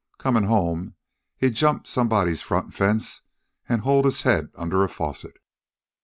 Comin' home, he'd jump somebody's front fence an' hold his head under a faucet."